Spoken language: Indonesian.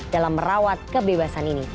dalam merawat kebebasan ini